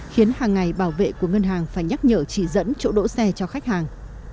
khiến hàng ngày bảo vệ của ngân hàng phải nhắc nhở chỉ dẫn chỗ đỗ xe cho khách hàng